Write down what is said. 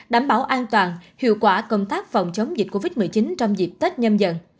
đảm bảo an toàn hiệu quả công tác phòng chống dịch covid một mươi chín trong dịp tết nhâm dần